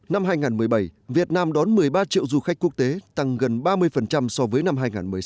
năm hai nghìn một mươi bảy việt nam đón một mươi ba triệu du khách quốc tế tăng gần ba mươi so với năm hai nghìn một mươi sáu